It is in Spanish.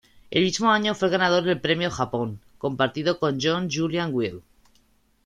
El mismo año fue el ganador del Premio Japón, compartido con John Julian Wild.